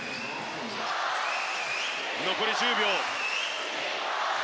残り１０秒。